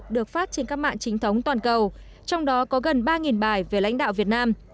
được phát trên các mạng chính thống toàn cầu trong đó có gần ba bài về lãnh đạo việt nam